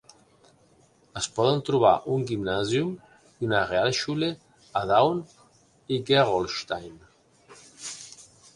Es poden trobar un Gymnasium i una Realschule a Daun i Gerolstein.